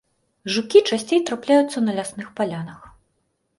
Жукі часцей трапляюцца на лясных палянах.